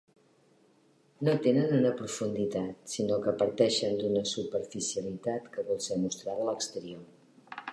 No tenen una profunditat sinó que parteixen d'una superficialitat que vol ser mostrada a l'exterior.